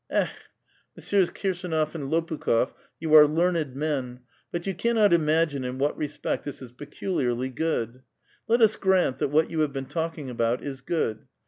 Ekh! Messrs. Kirsdnof and Lopukh6f, you are learned men, but you cannot imagine in what respect this is pecu liarly good. Let us grant that what you have been talking about is good.